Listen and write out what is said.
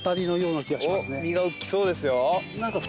実が大きそうですよ。